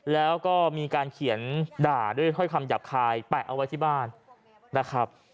แล้วก็มีการเขียนด่าด้วยถ้อยคำหยาบคายแปะเอาไว้ที่บ้านนะครับ